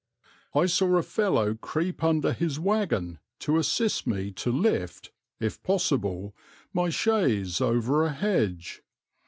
I saw a fellow creep under his waggon to assist me to lift, if possible, my chaise over a hedge.